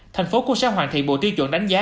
thành phố cũng sẽ hoàn thiện bộ tiêu chuẩn đánh giá